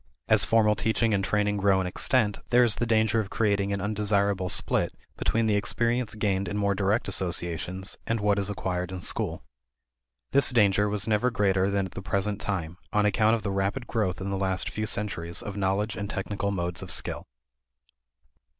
As formal teaching and training grow in extent, there is the danger of creating an undesirable split between the experience gained in more direct associations and what is acquired in school. This danger was never greater than at the present time, on account of the rapid growth in the last few centuries of knowledge and technical modes of skill.